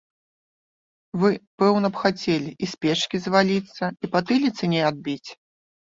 Вы, пэўна б, хацелі і з печкі зваліцца і патыліцы не адбіць?